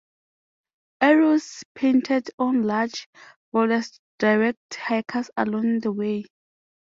Arrows painted on large boulders direct hikers along the way.